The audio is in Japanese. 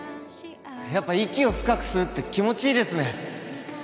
やっぱ息を深く吸うって気持ちいいですね